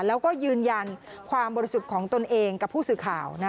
แล้วก็ยืนยันความบริสุทธิ์ของตนเองกับผู้สื่อข่าว